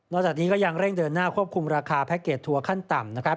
จากนี้ก็ยังเร่งเดินหน้าควบคุมราคาแพ็คเกจทัวร์ขั้นต่ำนะครับ